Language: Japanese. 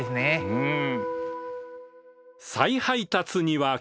うん。